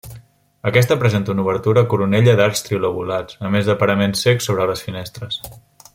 Aquesta presenta una obertura coronella d'arcs trilobulats, a més dels paraments cecs sobre les finestres.